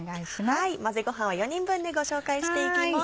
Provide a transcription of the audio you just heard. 混ぜごはんは４人分でご紹介していきます。